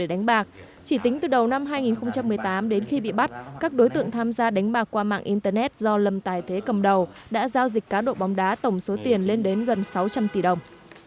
đánh bạc chỉ tính từ đầu năm hai nghìn một mươi tám đến khi bị bắt các đối tượng tham gia đánh bạc qua mạng internet do lâm tài thế cầm đầu đã giao dịch cá độ bóng đá tổng số tiền lên đến gần sáu trăm linh tỷ đồng